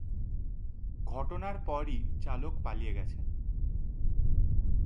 ঘটনার পরই চালক পালিয়ে গেছেন।